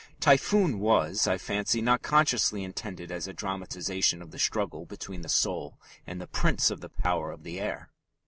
Typhoon was, I fancy, not consciously intended as a dramatization of the struggle between the soul and the Prince of the power of the air.